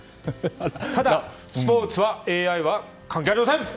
ただ、スポーツはＡＩは関係ありません！